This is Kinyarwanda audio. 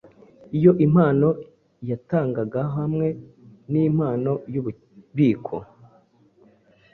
Iyo impano yatangagahamwe nimpano yububiko